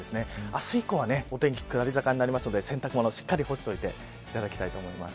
明日以降はお天気下り坂になるので洗濯物をしっかり干しておいてください。